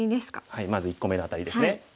はいまず１個目のアタリですね。